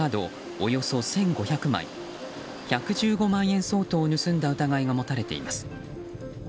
およそ１５００枚１１５万円相当を盗んだ疑いが持たれています。